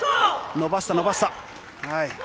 伸ばした、伸ばした。